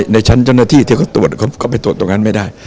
ในชั้นเจ้าหน้าที่ที่เขาตรวจเขาก็ไปตรวจตรงนั้นไม่ได้